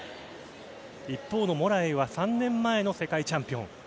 一方のモラエイは３年前の世界チャンピオン。